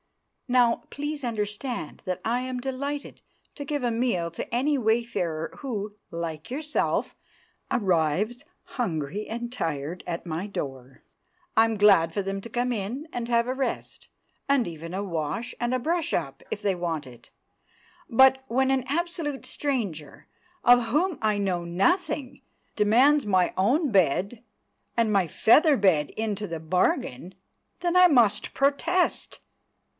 "Now, please understand that I am delighted to give a meal to any wayfarer who, like yourself, arrives hungry and tired at my door. I'm glad for them to come in and have a rest, and even a wash and brush up, if they want it. But, when an absolute stranger, of whom I know nothing, demands my own bed, and my feather bed into the bargain, then I must protest!